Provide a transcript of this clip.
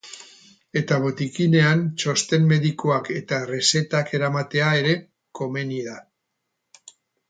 Eta botikinean txosten medikoak eta errezetak eramatea ere komeni da.